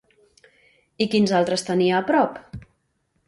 I quines altres tenia a prop?